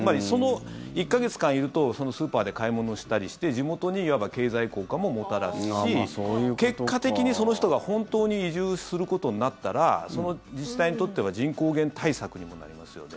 １か月間いるとそのスーパーで買い物したりして地元にいわば経済効果ももたらすし結果的にその人が本当に移住することになったらその自治体にとっては人口減対策にもなりますよね。